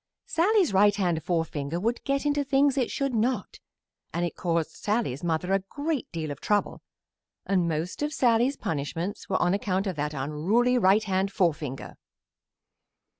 Sallie's right hand forefinger would get into things it should not, and it caused Sallie's mother a great deal of trouble, and most of Sallie's punishments were on account of that unruly right hand forefinger.